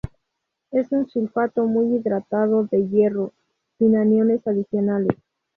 Es un sulfato muy hidratado de hierro, sin aniones adicionales.